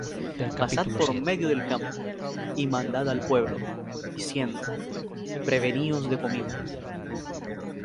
Pasad por medio del campo, y mandad al pueblo, diciendo: Preveníos de comida;